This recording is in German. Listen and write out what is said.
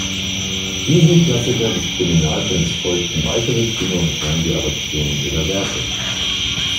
Diesem Klassiker des Kriminalfilms folgten weitere Kino- und Fernseh-Adaptionen ihrer Werke.